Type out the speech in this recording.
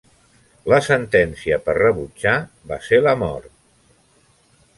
La sentencia per rebutjar va ser la mort.